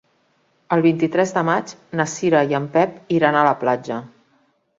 El vint-i-tres de maig na Cira i en Pep iran a la platja.